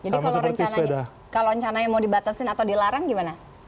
jadi kalau rencananya mau dibatasin atau dilarang gimana